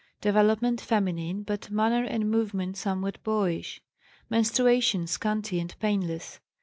Development feminine but manner and movements somewhat boyish. Menstruation scanty and painless.